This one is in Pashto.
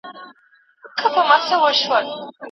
مادي ژبه استعداد ساتي.